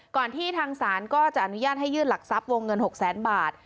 ที่ทางศาลก็จะอนุญาตให้ยื่นหลักทรัพย์วงเงิน๖แสนบาท